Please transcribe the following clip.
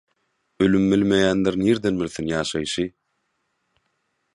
Ölümi bilmeýänler nirden bilsin ýaşaýşy?